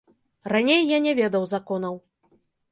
Раней я не ведаў законаў.